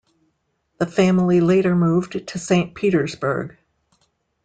The family later moved to Saint Petersburg.